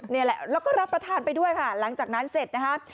นี่แหละแล้วก็รับประทานไปด้วยค่ะหลังจากนั้นเสร็จนะคะ